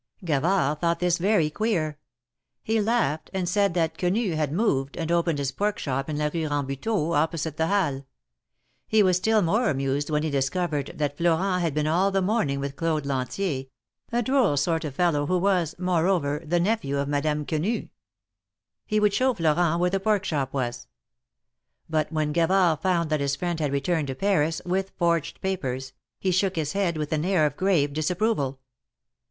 Gavard thought this very queer ; he laughed, and said that Quenu had moved, and opened his pork shop in la Rue Rambuteau, opposite the Halles. He was still more amused when he discovered that Florent had been all the morning with Claude Lantier, a droll sort of fellow, who was, moreover, the nephew of Madame Quenu. He would show Florent where the pork shop was. But when Gavard found that his friend had returned to Paris, with forged papers, he shook his head with an air of grave disapproval.